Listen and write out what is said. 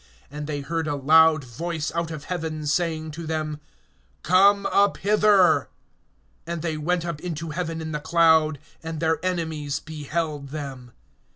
(12)And they heard a loud voice out of heaven, saying to them: Come up hither. And they went up into heaven in the cloud, and their enemies beheld them.